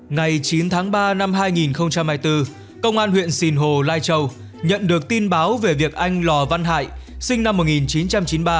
ngày chín tháng ba năm hai nghìn hai mươi bốn công an huyện sinh hồ lai châu nhận được tin báo về việc anh lò văn hại sinh năm một nghìn chín trăm chín mươi ba